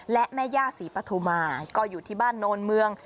และแม่ย่าศรีปฐุมาก็อยู่ที่บ้านโนนเมือง